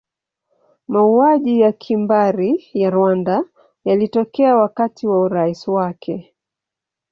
Mauaji ya kimbari ya Rwanda yalitokea wakati wa urais wake.